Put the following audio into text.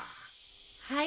はい。